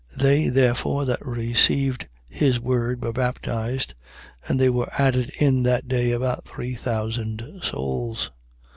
2:41. They therefore that received his word were baptized: and there were added in that day about three thousand souls.